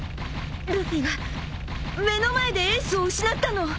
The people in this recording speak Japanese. ルフィは目の前でエースを失ったの。